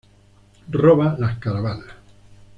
Roba las caravanas.